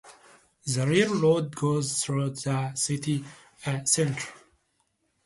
The railroad goes through the city centre.